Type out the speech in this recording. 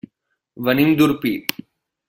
Venim d'Orpí.